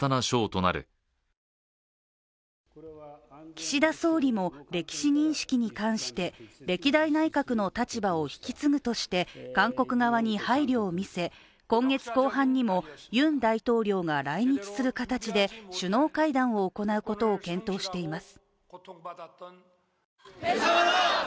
岸田総理も歴史認識に関して歴代内閣の立場を引き継ぐとして韓国側に配慮を見せ今月後半にもユン大統領が来日する形で首脳会談を行うことを検討しています。